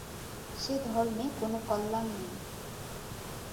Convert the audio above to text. সে ধর্মে কোন কল্যাণ নেই।